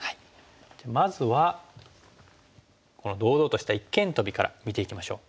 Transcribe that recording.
じゃあまずはこの堂々とした一間トビから見ていきましょう。